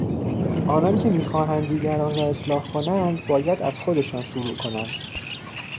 آنان که میخواهند دیگران را اصلاح کنند باید از خودشان شروع کنند.